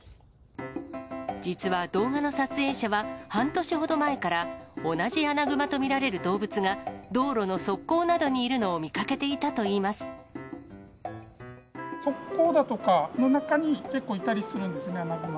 実は動画の撮影者は、半年ほど前から同じアナグマと見られる動物が、道路の側溝などに側溝だとかの中に結構いたりするんですね、アナグマ。